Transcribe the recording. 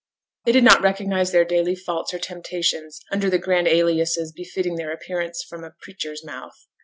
They did not recognize their daily faults or temptations under the grand aliases befitting their appearance from a preacher's mouth.